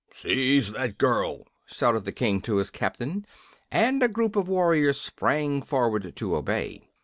"Seize that girl!" shouted the King to his captain, and a group of warriors sprang forward to obey.